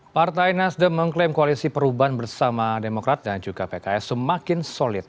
partai nasdem mengklaim koalisi perubahan bersama demokrat dan juga pks semakin solid